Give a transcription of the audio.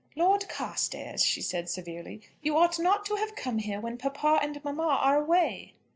"Lord Carstairs," she said, severely, "you ought not to have come here when papa and mamma are away."